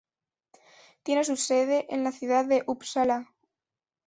Tiene su sede en la ciudad de Uppsala.